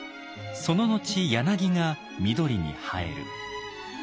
その後柳が緑に映える。